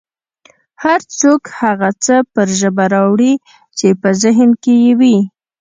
هر څوک هغه څه پر ژبه راوړي چې په ذهن کې یې وي